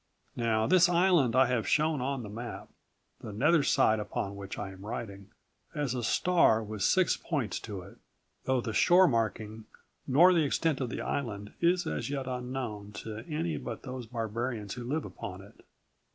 "Now this island I have shown on the map, the nether side upon which I am writing, as a star with six points to it; though the shore marking nor the extent of the island is as yet unknown to any but those barbarians who live upon it."